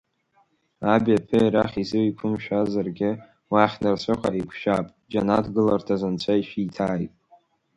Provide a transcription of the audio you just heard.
Аби аԥеи арахь изеиқәымшәазаргьы, уахь нарцәыҟа еиқәшәап, џьанаҭ гыларҭас анцәа ишәиҭааит.